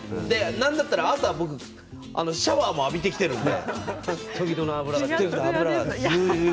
なんなら朝シャワーも浴びてきているので。